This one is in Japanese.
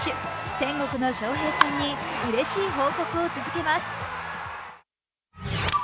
天国の翔平ちゃんにうれしい報告を続けます。